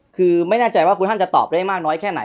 คือไม่แน่ใจว่าคุณท่านจะตอบได้มากน้อยแค่ไหน